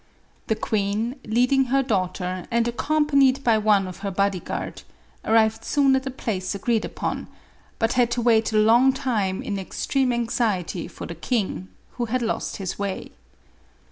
The queen, leading her daughter and accompanied by MARIE ANTOINETTE. 465 one of her body guard, arrived soon at the place agreed upon, but had to wait a long time in extreme anxiety for the king, who had lost his way.